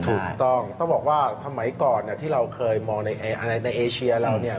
ถูกต้องต้องบอกว่าสมัยก่อนที่เราเคยมองในเอเชียเราเนี่ย